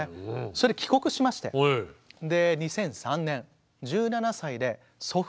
それで帰国しまして２００３年１７歳で祖父母の介護。